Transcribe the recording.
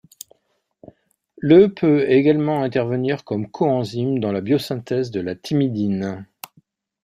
Le peut également intervenir comme coenzyme dans la biosynthèse de la thymidine.